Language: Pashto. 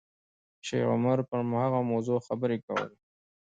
شیخ عمر پر هماغه موضوع خبرې کولې.